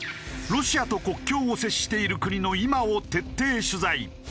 ロシアと国境を接している国の今を徹底取材。